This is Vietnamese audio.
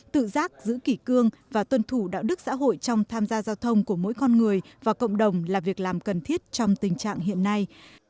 tự giác giữ kỷ cương và tuân thủ đạo đức xã hội trong tham gia giao thông của mỗi con người và cộng đồng là việc làm cần thiết trong tình trạng hiện nay